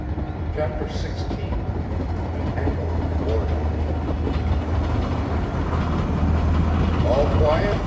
CHAPTER XVI AN ECHO OF WARNING "All quiet?"